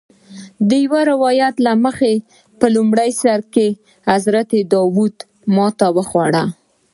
د یو روایت له مخې په لومړي سر کې حضرت داود ماتې وخوړه.